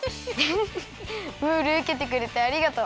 フフッムールウケてくれてありがとう。